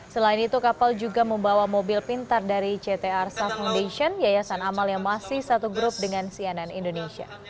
selain itu kapal juga membawa mobil pintar dari ct arsa foundation yayasan amal yang masih satu grup dengan cnn indonesia